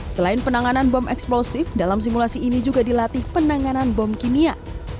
selain penanganan bom eksplosif dalam simulasi ini juga dilatih penanganan bom kimia